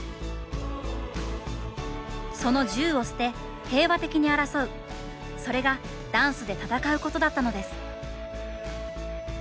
その銃を捨て平和的に争うそれがダンスで闘うことだったのです。